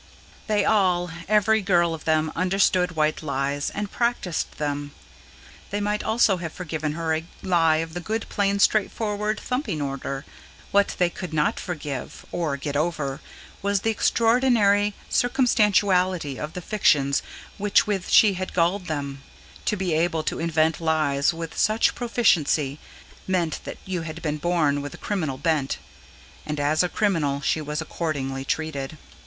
They all, every girl of them, understood white lies, and practised them. They might also have forgiven her a lie of the good, plain, straightforward, thumping order. What they could not forgive, or get over, was the extraordinary circumstantiality of the fictions which with she had gulled them: to be able to invent lies with such proficiency meant that you had been born with a criminal bent. And as a criminal she was accordingly treated.